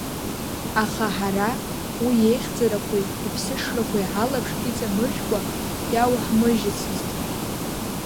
Аха ҳара уи иеихьӡарақәеи иԥсыҽрақәеи ҳалаԥш иҵамыршәкәа иауҳмыжьыцызт.